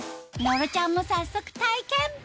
野呂ちゃんも早速体験！